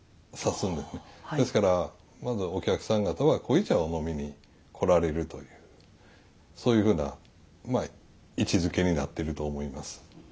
ですからまずお客さん方は濃茶を飲みに来られるというそういうふうな位置づけになってると思います。